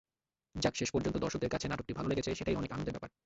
যাক, শেষ পর্যন্ত দর্শকদের কাছে নাটকটি ভালো লেগেছে, সেটাই অনেক আনন্দের ব্যাপার।